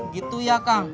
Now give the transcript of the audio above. gitu ya kang